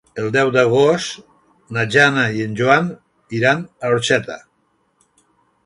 El deu d'agost na Jana i en Joan iran a Orxeta.